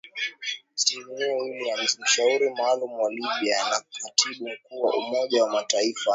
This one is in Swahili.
Stephanie Williams mshauri maalum wa Libya na katibu mkuu wa Umoja wa Mataifa Antonio Guterres